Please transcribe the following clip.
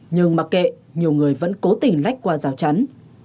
nhưng mặc kệ nhiều người vẫn cố tình lách qua rào chắn